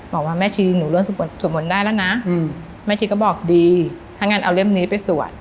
บอกว่าแม่ชีหนูเริ่มสวดมนต์ได้แล้วนะแม่ชีก็บอกดีถ้างั้นเอาเล่มนี้ไปสวด